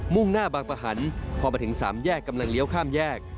่งหน้าบางประหันพอมาถึงสามแยกกำลังเลี้ยวข้ามแยก